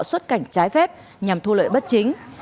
xuất cảnh trái phép nhằm thu lợi bất chính